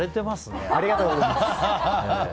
ありがとうございます。